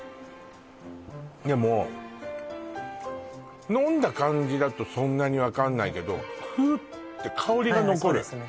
でも飲んだ感じだとそんなに分かんないけどフッて香りが残るはいはいそうですね